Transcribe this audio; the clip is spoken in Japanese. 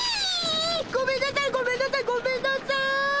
ごめんなさいごめんなさいごめんなさい！